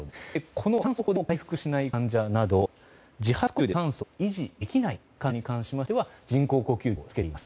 この酸素療法でも回復しない患者など自発呼吸で酸素を維持できない患者に関しましては人工呼吸器をつけています。